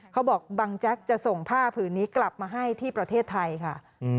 บางแจ๊กจะส่งผ้าผืนนี้กลับมาให้ที่ประเทศไทยค่ะ